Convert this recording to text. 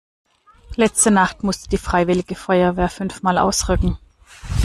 Letzte Nacht musste die freiwillige Feuerwehr fünfmal ausrücken.